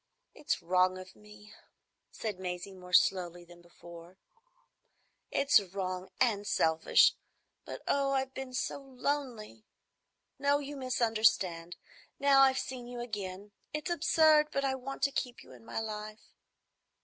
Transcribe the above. "It's wrong of me," said Maisie, more slowly than before; "it's wrong and selfish; but, oh, I've been so lonely! No, you misunderstand. Now I've seen you again,—it's absurd, but I want to keep you in my life."